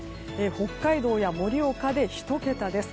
北海道や盛岡で１桁です。